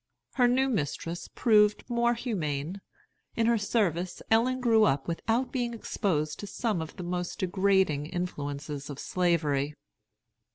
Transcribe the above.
Her new mistress proved more humane. In her service Ellen grew up without being exposed to some of the most degrading influences of Slavery.